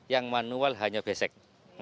yang manual hanya besek